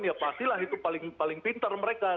ya pastilah itu paling pintar mereka